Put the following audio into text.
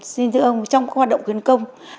xin thưa ông trong các hoạt động khuyến công